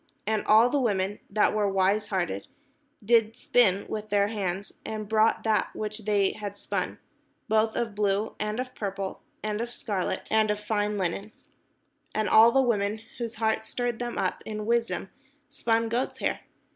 And all the women that were wise hearted did spin with their hands, and brought that which they had spun, both of blue, and of purple, and of scarlet, and 541 PALESTINE of fine linen. And all the women whose heart stirred them up in wisdom spun goats' hair.